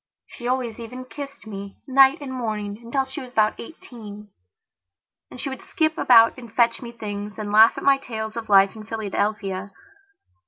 She always even kissed me, night and morning, until she was about eighteen. And she would skip about and fetch me things and laugh at my tales of life in Philadelphia.